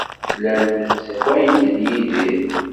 Llant ssakayent-d Yidir.